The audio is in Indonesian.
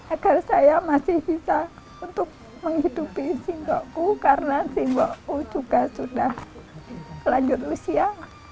agar saya masih bisa untuk menghidupi singkokku karena singko juga sudah lanjut usia